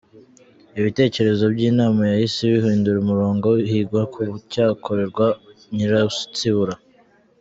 Ibitekerezo by’inama byahise bihindura umurongo, higwa ku cyakorerwa Nyiransibura.